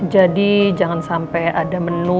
jadi jangan sampai ada menu